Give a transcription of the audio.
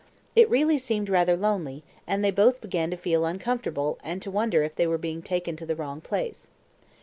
It really seemed rather lonely, and they both began to feel uncomfortable and to wonder if they were being taken to the wrong place.